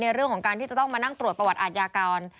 เรื่องของการที่จะต้องมานั่งตรวจประวัติอาทยากร